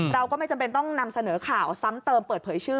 เราก็ไม่จำเป็นต้องนำเสนอข่าวซ้ำเติมเปิดเผยชื่อ